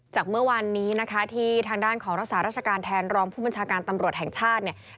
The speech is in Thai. เมื่อวานนี้นะคะที่ทางด้านของรักษาราชการแทนรองผู้บัญชาการตำรวจแห่งชาติเนี่ย